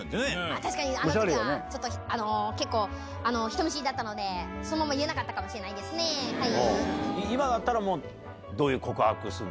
確かに、あのときはなんかちょっと、結構、人見知りだったので、そのまま言えなかったかもしれないですね、今だったらもう、どういう告白するの？